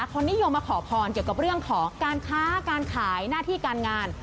คนนิยมมาขอพรเกี่ยวกับเรื่องของการค้าการขายหน้าที่การงาน